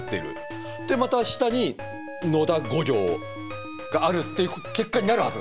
でまた下に「野田」５行があるっていう結果になるはず